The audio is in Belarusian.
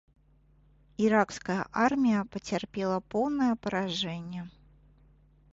Іракская армія пацярпела поўнае паражэнне.